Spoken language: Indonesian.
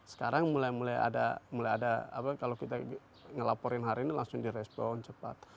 sekarang mulai mulai ada kalau kita ngelaporin hari ini langsung direspon cepat